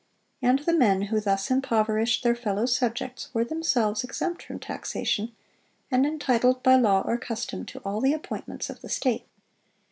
And the men who thus impoverished their fellow subjects were themselves exempt from taxation, and entitled by law or custom to all the appointments of the state.